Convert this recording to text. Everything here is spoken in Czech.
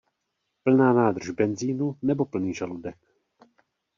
Plná nádrž benzínu, nebo plný žaludek?